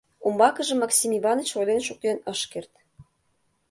Умбакыже Максим Иваныч ойлен шуктен ыш керт.